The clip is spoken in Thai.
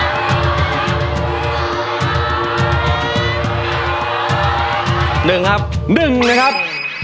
๑ครับ๑นู้นครับ